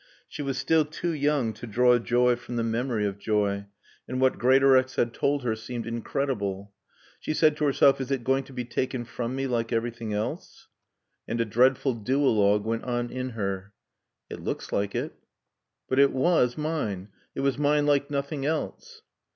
She was still too young to draw joy from the memory of joy, and what Greatorex had told her seemed incredible. She said to herself, "Is it going to be taken from me like everything else?" And a dreadful duologue went on in her. "It looks like it." "But it was mine. It was mine like nothing else."